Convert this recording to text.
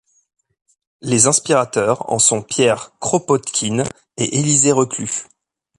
Les inspirateurs en sont Pierre Kropotkine et Élisée Reclus.